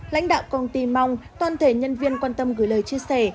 lãnh đạo công ty mong toàn thể nhân viên quan tâm gửi lời chia sẻ